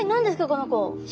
この子！